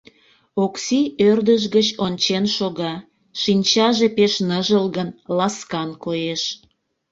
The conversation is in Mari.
Окси ӧрдыж гыч ончен шога, шинчаже пеш ныжылгын, ласкан коеш.